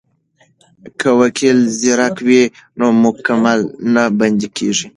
که وکیل زیرک وي نو موکل نه بندی کیږي.